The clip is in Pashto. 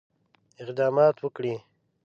اقدامات وکړي.